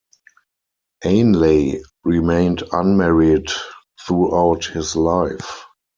Ainley remained unmarried throughout his life.